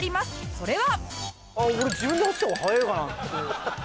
それは？